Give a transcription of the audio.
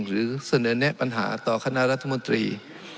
หรือเสนอแนะปัญหาต่อคณะรัฐมนตรี